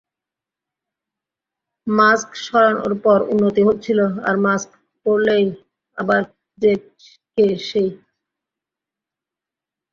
Mask সরানোর পর উন্নতি হচ্ছিল, আর মাস্ক পরালেই আবার যে কে সেই।